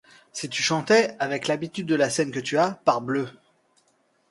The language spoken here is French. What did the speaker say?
Si tu chantais, avec l’habitude de la scène que tu as, parbleu !